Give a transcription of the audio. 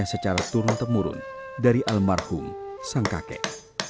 secara turun temurun dari almarhum sang kakek